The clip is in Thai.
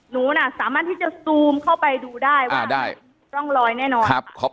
หนูน่ะสามารถที่จะซูมเข้าไปดูได้ว่าร่องรอยแน่นอนครับ